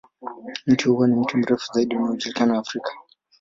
Mti huo ni mti mrefu zaidi unaojulikana Afrika.